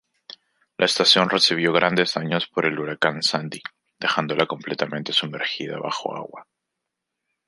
La estación recibió grandes daños por el Huracán Sandy, dejándola completamente sumergida bajo agua.